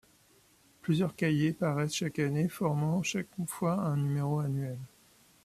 Plusieurs cahiers paraissent chaque année, formant chaque fois un numéro annuel.